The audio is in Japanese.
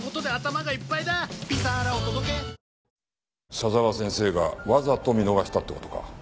佐沢先生がわざと見逃したって事か。